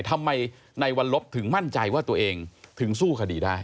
ทำไมในวันลบถึงมั่นใจว่าตัวเองถึงสู้คดีได้